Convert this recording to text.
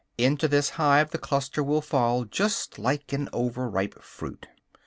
Into this hive the cluster will fall just like an over ripe fruit.